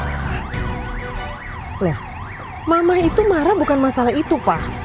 lihat mama itu marah bukan masalah itu pak